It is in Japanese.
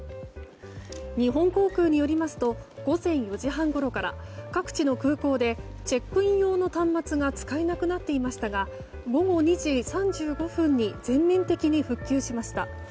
日本航空によりますと午前４時半ごろから各地の空港でチェックイン用の端末が使えなくなっていましたが午後２時３５分に全面的に復旧しました。